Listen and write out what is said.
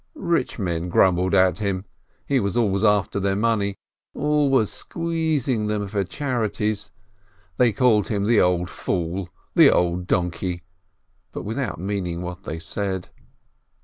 Rich men grumbled at him. He was always after their money — always squeezing them for charities. They called him the old fool, the old donkey, but without meaning what they said.